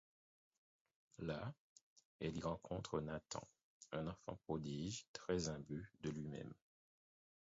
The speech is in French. Là, elle y rencontre Nathan, un enfant prodige très imbu de lui-même.